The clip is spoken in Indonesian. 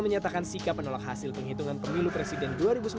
menyatakan sikap menolak hasil penghitungan pemilu presiden dua ribu sembilan belas